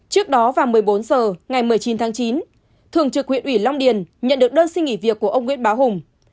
trước đó vào một mươi bốn h ngày một mươi chín tháng chín thường trực huyện ủy long điền nhận được đơn xin nghỉ việc của ông nguyễn báo hùng